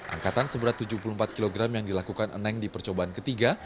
angkatan seberat tujuh puluh empat kg yang dilakukan eneng di percobaan ketiga